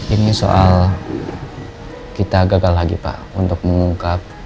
ini soal kita gagal lagi pak untuk mengungkap